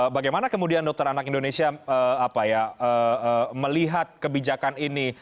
bagaimana kemudian dokter anak indonesia melihat kebijakan ini